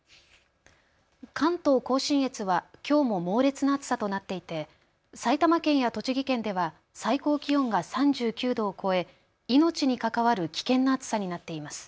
関東甲信越はきょうも猛烈な暑さとなっていて埼玉県や栃木県では最高気温が３９度を超え命に関わる危険な暑さになっています。